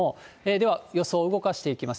では、予想を動かしていきます。